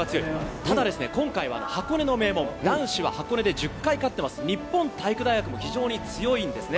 ただ、今回は箱根の名門、男子は箱根で１０回勝ってます、日本体育大学も非常に強いんですね。